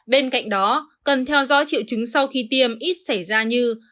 bên cạnh đó cần theo dõi triệu chứng sau khi tiêm ít xảy ra như